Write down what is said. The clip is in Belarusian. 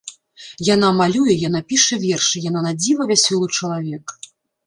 Яна малюе, яна піша вершы, яна надзіва вясёлы чалавек.